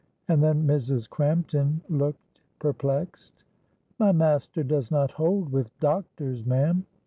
And then Mrs. Crampton looked perplexed. "My master does not hold with doctors, ma'am.